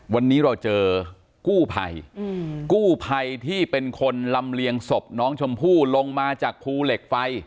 วันนี้เราเจอกู้ภัยกู้ภัยที่เป็นคนลำเลียงศพน้องชมพู่ลงมาจากภูเหล็กไฟ